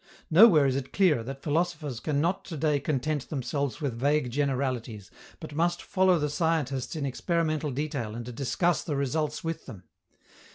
Nowhere is it clearer that philosophers can not to day content themselves with vague generalities, but must follow the scientists in experimental detail and discuss the results with them.